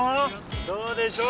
どうでしょう？